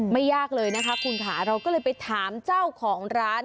ยากเลยนะคะคุณค่ะเราก็เลยไปถามเจ้าของร้าน